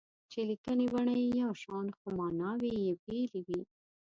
چې لیکني بڼه یې یو شان خو ماناوې یې بېلې وي.